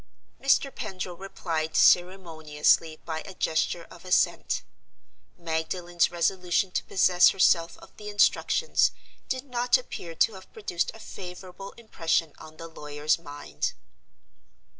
Mr. Pendril replied ceremoniously by a gesture of assent. Magdalen's resolution to possess herself of the Instructions did not appear to have produced a favorable impression on the lawyer's mind.